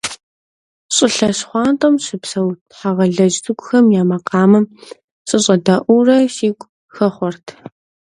ЩӀылъэ щхъуантӀэм щыпсэу тхьэгъэлэдж цӀыкӀухэм я макъамэм сыщӀэдэӀуурэ сигу хэхъуэрт.